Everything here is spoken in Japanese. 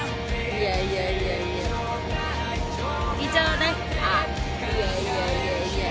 いやいやいやいや。